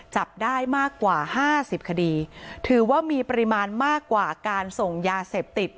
จับได้มากกว่าห้าสิบคดีถือว่ามีปริมาณมากกว่าการส่งยาเสพติด